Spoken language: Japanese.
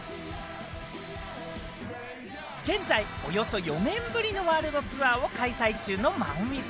現在およそ４年ぶりのワールドツアーを開催中のマンウィズ。